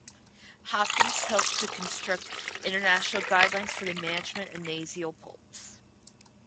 Hopkins helped to construct international guidelines for the management of nasal polyps.